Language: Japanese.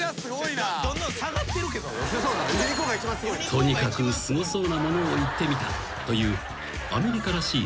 ［とにかくすごそうなものを言ってみたというアメリカらしい